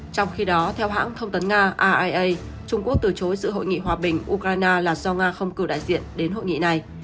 trong khi đó theo hãng thông tấn nga ara trung quốc từ chối dự hội nghị hòa bình ukraine là do nga không cử đại diện đến hội nghị này